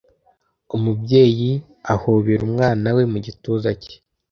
Umubyeyi ahobera umwana mu gituza cye.